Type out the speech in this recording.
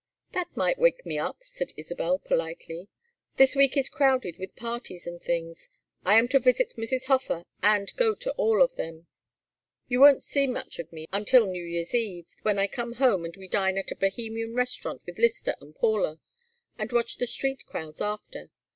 "That might wake me up," said Isabel, politely. "This week is crowded with parties and things. I am to visit Mrs. Hofer and go to all of them. You won't see much of me until New Year's eve, when I come home and we dine at a Bohemian restaurant with Lyster and Paula, and watch the street crowds after.